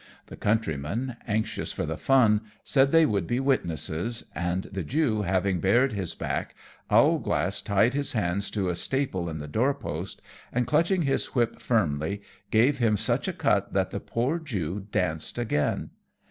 The countrymen, anxious for the fun, said they would be witnesses; and the Jew having bared his back, Owlglass tied his hands to a staple in the door post, and clutching his whip firmly gave him such a cut that the poor Jew danced again.